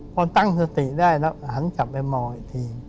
พอตั้งสติได้แล้วหันกลับไปมองอีกที